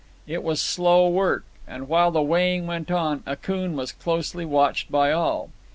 It was slow work, and, while the weighing went on, Akoon was closely watched by all.